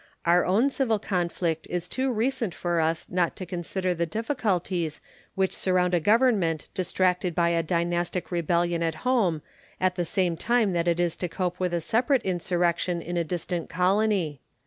Our own civil conflict is too recent for us not to consider the difficulties which surround a government distracted by a dynastic rebellion at home at the same time that it has to cope with a separate insurrection in a distant colony.